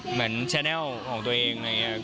เหมือนแชนัลของตัวเองอะไรอย่างนี้